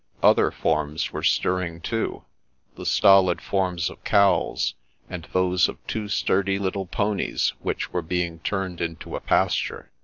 Other forms were stirring too, the stolid forms of cows, and those of two sturdy little ponies, which were being turned into a pasture.